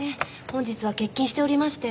本日は欠勤しておりまして。